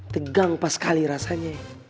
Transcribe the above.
tegang pas sekali rasanya